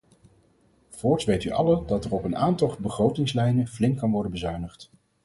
Voorts weet u allen dat er op een aantal begrotingslijnen flink kan worden bezuinigd.